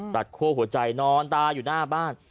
ตัดก็้วหัวใจนอนตาย่อยหน้าบ้าน